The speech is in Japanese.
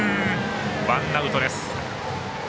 ワンアウトです。